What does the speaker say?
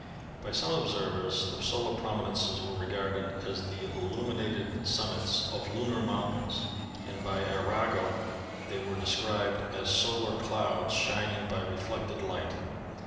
By some observers the solar prominences were regarded as the illuminated sum mits of lunar mountains, and by Arago they were de scribed as solar clouds shining by reflected light.